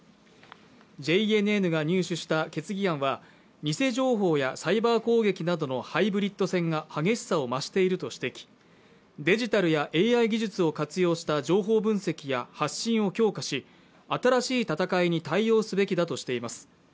ＪＮＮが入手した決議案は偽情報やサイバー攻撃などのハイブリット戦が激しさを増していると指摘デジタルやＡＩ技術を活用した情報分析や発信を強化し新しい戦いに対応すべきだとしています